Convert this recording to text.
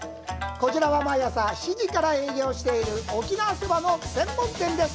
こちらは、毎朝７時から営業している沖縄そばの専門店です。